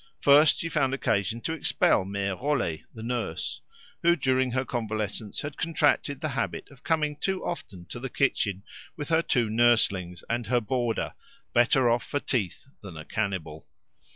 First, she found occasion to expel Mere Rollet, the nurse, who during her convalescence had contracted the habit of coming too often to the kitchen with her two nurslings and her boarder, better off for teeth than a cannibal.